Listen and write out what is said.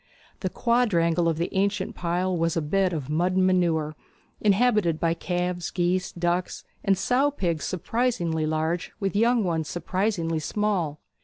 The quadrangle of the ancient pile was a bed of mud and manure, inhabited by calves, geese, ducks, and sow pigs surprisingly large, with young ones surprisingly small.